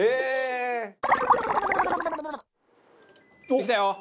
できたよ！